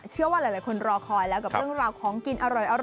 เชื่อว่าหลายคนรอคอยแล้วกับเรื่องราวของกินอร่อย